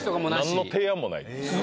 何の提案もないです